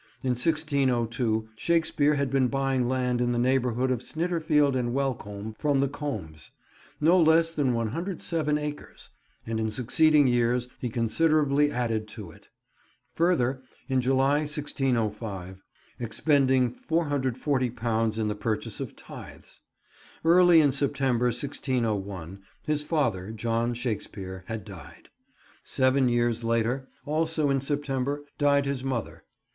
In 1602 Shakespeare had been buying land in the neighbourhood of Snitterfield and Welcombe from the Combes; no less than 107 acres, and in succeeding years he considerably added to it; further, in July 1605, expending £440 in the purchase of tithes. Early in September 1601, his father, John Shakespeare, had died. Seven years later, also in September, died his mother.